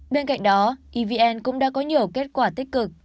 bên cạnh đó evn cũng đã có nhiều kết quả tích cực